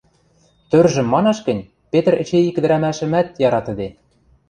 Тӧржӹм манаш гӹнь, Петр эче ик ӹдӹрӓмӓшӹмӓт яратыде.